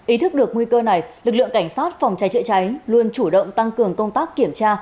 ý thức được nguy cơ này lực lượng cảnh sát phòng cháy chữa cháy luôn chủ động tăng cường công tác kiểm tra